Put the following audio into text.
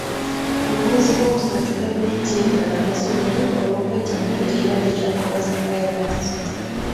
Mu mwezi gw'okustu gavumenti yaggala amasomero olw'okwetangira ekirwadde kya coronavirus.